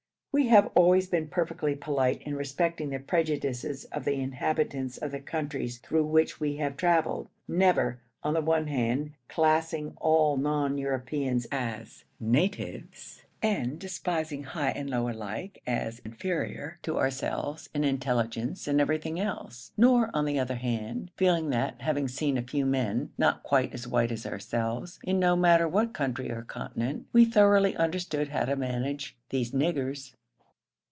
We have always been perfectly polite in respecting the prejudices of the inhabitants of the countries through which we have travelled, never, on the one hand, classing all non Europeans as 'natives' and despising high and low alike as inferior to ourselves in intelligence and everything else, nor, on the other, feeling that, having seen a few men, not quite as white as ourselves, in no matter what country or continent, we thoroughly understood how to manage 'these niggers.'